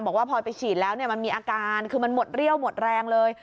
บอกว่าพอไปฉีดแล้วมันมีอาการคือมันหมดเรี่ยวหมดแรงเลย